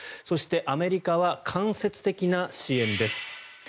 そして、アメリカは間接的な支援です。